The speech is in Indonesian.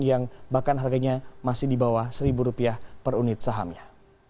yang bahkan harganya masih di bawah rp satu per unit sahamnya